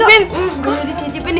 gak boleh dicicipin dio